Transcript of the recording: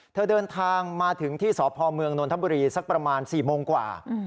เดินทางมาถึงที่สพเมืองนนทบุรีสักประมาณ๔โมงกว่า